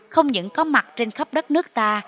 không những có mặt trên khắp đất nước ta